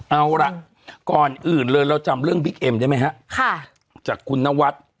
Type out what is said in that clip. เอาล่ะก่อนอื่นเลยเราจำเรื่องบิ๊กเอ็มได้ไหมฮะค่ะจากคุณนวัด